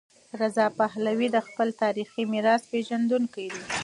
رضا پهلوي د خپل تاریخي میراث پیژندونکی دی.